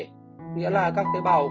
nghĩa là các tế bào không có tế bào